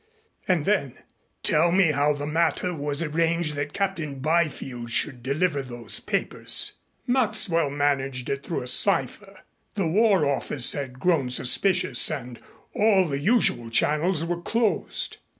And then, "Tell me how the matter was arranged that Captain Byfield should deliver those papers." "Maxwell managed it through a cipher. The War Office had grown suspicious and all the usual channels were closed.